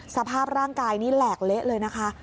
สภาพร่างกายนี่แหลกเละเลยนะคะ